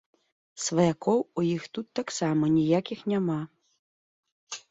Сваякоў у іх тут таксама ніякіх няма.